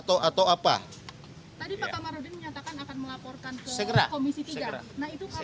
tadi pak kamarudin menyatakan akan melaporkan ke komisi tiga